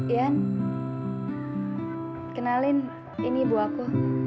ian kenalin ini ibu aku